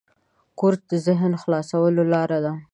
کورس د ذهن خلاصولو لاره ده.